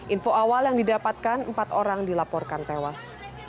info awal yang didapatkan empat orang dilaporkan tewas